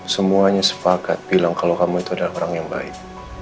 semuanya sepakat bilang kalau kamu itu adalah orang yang baik